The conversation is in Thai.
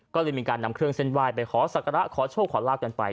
ก็เลยมีการนำเครื่องเส้นไหว้ไปขอสักการะขอโชคขอลาบกันไป